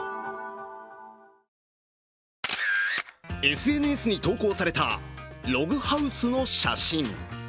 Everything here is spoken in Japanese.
ＳＮＳに投稿されたログハウスの写真。